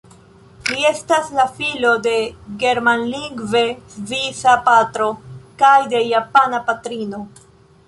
Li estas la filo de germanlingve svisa patro kaj de japana patrino.